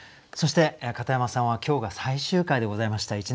そして片山さんは今日が最終回でございました。